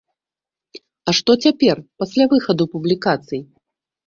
А што цяпер, пасля выхаду публікацый?